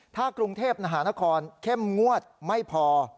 ถ้ากรุงเทพมหานครเข้มงวดไม่พอ